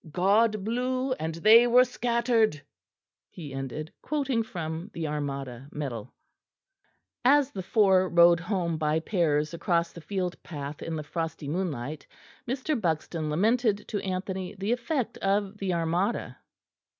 'God blew and they were scattered,'" he ended, quoting from the Armada medal. As the four rode home by pairs across the field path in the frosty moonlight Mr. Buxton lamented to Anthony the effect of the Armada.